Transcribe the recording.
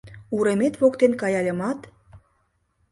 Уремет воктен каяльымат